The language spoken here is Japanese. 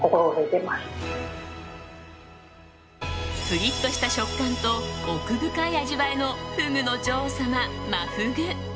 プリッとした食感と奥深い味わいのフグの女王様、真フグ。